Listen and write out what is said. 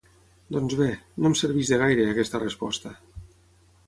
Doncs, bé, no em serveix de gaire, aquesta resposta.